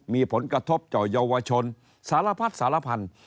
มีผลกระทบต่อเยาวชนสารพัดสารพันธุ์